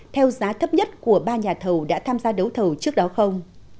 theo giá thấp nhất của ba nhà thầu đã tham gia đấu thầu trước đó không